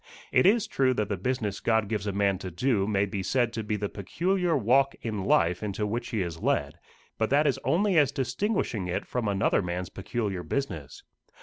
It is true that the business God gives a man to do may be said to be the peculiar walk in life into which he is led, but that is only as distinguishing it from another man's peculiar business.